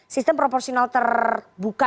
sistem proporsional terbuka